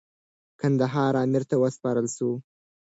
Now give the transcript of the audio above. کندهار امیر ته وسپارل سو.